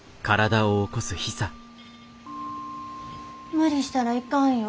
無理したらいかんよ。